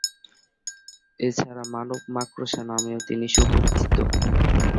এছাড়া "মানব মাকড়সা" নামেও তিনি সুপরিচিত।